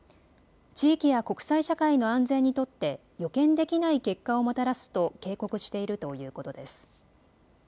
地域や国際社会の安全にとって予見できない結果をもたらすと警告しているということです。